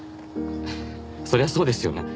そりゃそうですよね。